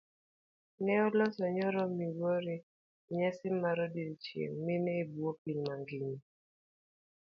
Ne oloso nyoro migori enyasi mar odiochieng' mine ebuo piny mangima.